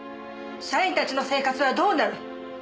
「社員たちの生活はどうなる？」